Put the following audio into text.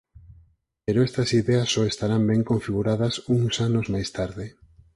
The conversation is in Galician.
Pero estas ideas só estarán ben configuradas uns anos máis tarde.